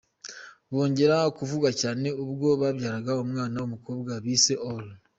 Bongera kuvugwa cyane, ubwo babyaraga umwana w’umukobwa bise ‘Or’.